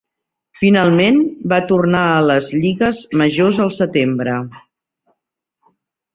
Finalment, va tornar a les lligues majors al setembre.